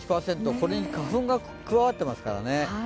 これに花粉が加わってますからね。